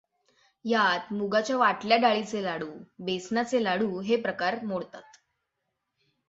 यात मुगाच्या वाटल्या डाळीचे लाडू, बेसनाचे लाडू हे प्रकार यात मोडतात.